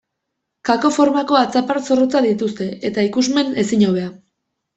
Kako formako atzapar zorrotzak dituzte, eta ikusmen ezin hobea.